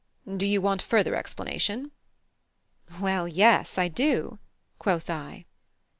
Do you want further explanation?" "Well, yes, I do," quoth I.